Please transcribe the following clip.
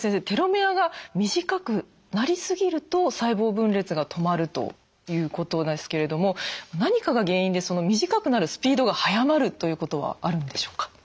テロメアが短くなりすぎると細胞分裂が止まるということなんですけれども何かが原因で短くなるスピードが速まるということはあるんでしょうか？